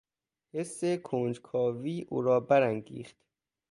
حس کنجکاوی او را برانگیخت.